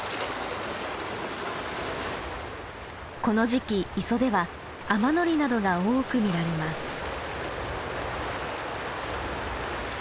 この時期磯ではアマノリなどが多く見られます。